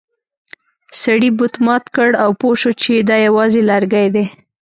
سړي بت مات کړ او پوه شو چې دا یوازې لرګی دی.